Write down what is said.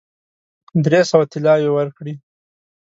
درې سوه طلاوي ورکړې.